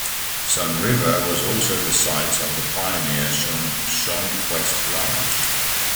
Sunriver was also the site of the pioneer Shonquest Ranch.